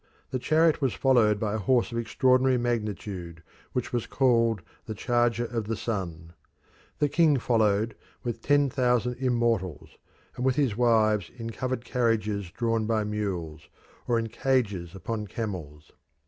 The chariot was followed by a horse of extraordinary magnitude, which was called the "Charger of the Sun." The king followed with the ten thousand Immortals, and with his wives in covered carriages drawn by mules, or in cages upon camels.